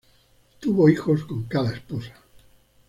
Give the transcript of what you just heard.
Tuvo hijos con cada esposa.